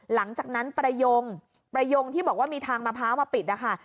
หลังจากนั้นประยงประยงที่บอกว่ามีทางมะพร้าวมาปิดนะคะ